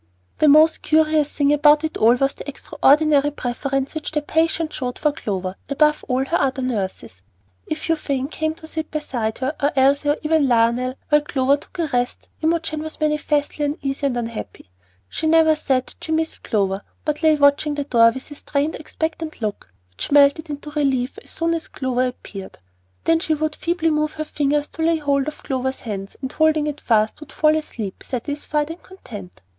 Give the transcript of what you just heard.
The most curious thing about it all was the extraordinary preference which the patient showed for Clover above all her other nurses. If Euphane came to sit beside her, or Elsie, or even Lionel, while Clover took a rest, Imogen was manifestly uneasy and unhappy. She never said that she missed Clover, but lay watching the door with a strained, expectant look, which melted into relief as soon as Clover appeared. Then she would feebly move her fingers to lay hold of Clover's hand, and holding it fast, would fall asleep satisfied and content.